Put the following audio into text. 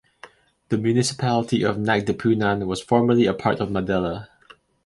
The Municipality of Nagtipunan was formerly a part of Maddela.